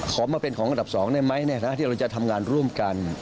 ขอมาเป็นของอันดับ๒ได้ไหมที่เราจะทำงานร่วมกัน